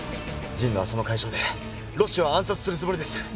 神野はその会場でロッシを暗殺するつもりです。